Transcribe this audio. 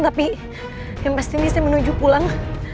tapi yang pasti ini saya menuju pulang